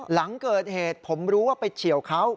หลังเกิดเหตุผมรู้ว่าไปเฉียวเขา